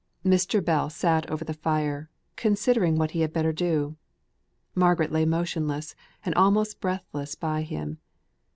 Mr. Bell sate over the fire, considering what he had better do. Margaret lay motionless, and almost breathless by him.